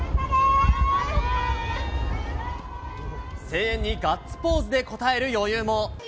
声援にガッツポーズで応える余裕も。